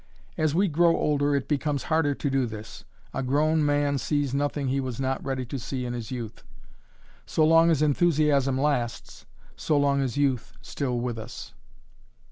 As we grow older it becomes harder to do this. A grown man sees nothing he was not ready to see in his youth. So long as enthusiasm lasts, so long is youth still with us.